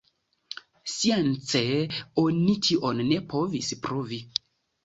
Science oni tion ne povis pruvi.